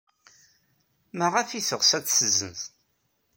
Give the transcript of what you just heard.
Maɣef ay teɣs ad tt-tessenz?